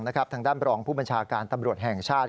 ทางด้านบรองผู้บัญชาการตำรวจแห่งชาติ